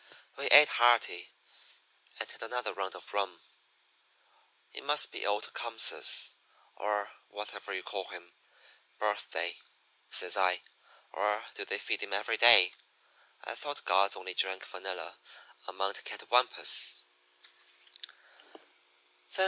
"We ate hearty and had another round of rum. "'It must be old Tecumseh's or whatever you call him birthday,' says I. 'Or do they feed him every day? I thought gods only drank vanilla on Mount Catawampus.'